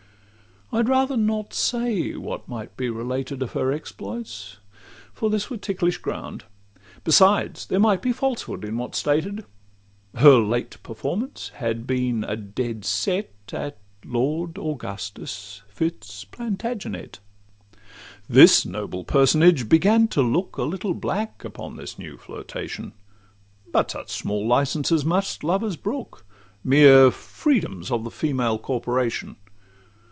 I'd rather not say what might be related Of her exploits, for this were ticklish ground; Besides there might be falsehood in what 's stated: Her late performance had been a dead set At Lord Augustus Fitz Plantagenet. This noble personage began to look A little black upon this new flirtation; But such small licences must lovers brook, Mere freedoms of the female corporation.